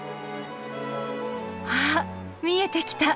あ見えてきた。